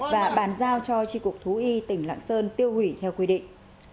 và bàn giao cho tri cục thú y tỉnh lạng sơn tiêu hủy theo quy định